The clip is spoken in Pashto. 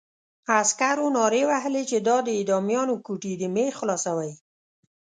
عسکرو نارې وهلې چې دا د اعدامیانو کوټې دي مه یې خلاصوئ.